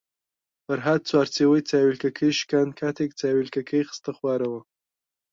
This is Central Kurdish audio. فەرھاد چوارچێوەی چاویلکەکەی شکاند کاتێک چاویلکەکەی خستە خوارەوە.